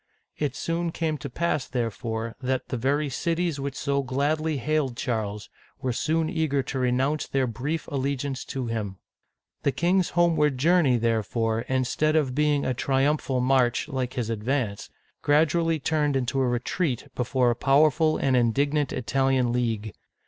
It soon came to pass, therefore, that the very cities which so gladly hailed Charles, were soon eager to renounce their brief allegiance to him. The king's homeward journey, therefore, instead of being a triumphal march like his advance, gradually turned into a retreat before a powerful and indignant Italian Digitized by Google CHARLES VIII. (1483 1498) 217 League.